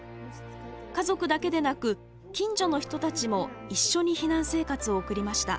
家族だけでなく近所の人たちも一緒に避難生活を送りました。